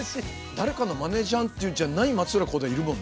誰かのマネじゃんっていうんじゃない松浦航大いるもんね。